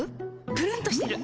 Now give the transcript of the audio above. ぷるんとしてる！